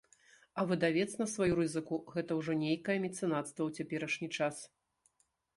А выдавец на сваю рызыку, гэта ўжо нейкае мецэнацтва ў цяперашні час.